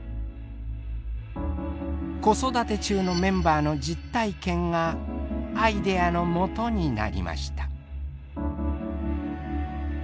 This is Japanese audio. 子育て中のメンバーの実体験がアイデアのもとになりました。